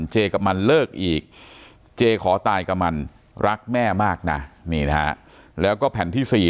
เจกับมันเลิกอีกเจขอตายกับมันรักแม่มากนะนี่นะฮะแล้วก็แผ่นที่๔